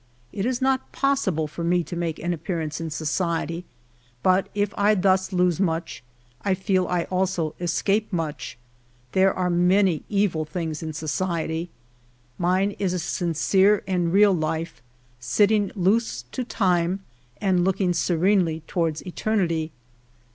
It is not pos . sible for me to make an appearance in society, but if I thus lose much, I feel I also escape nmch; there are many evil things in society. Mine is a sincere and real life, sitting loose to time, and looking serenely towards eternity.